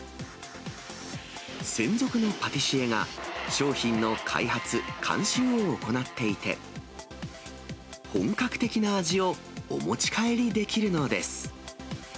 専属のパティシエが、商品の開発・監修を行っていて、本格的な味をお持ち帰りできるのです。